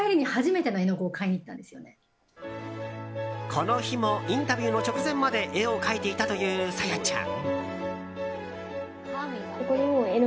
この日もインタビューの直前まで絵を描いていたというＳａｙａちゃん。